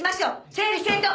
整理整頓！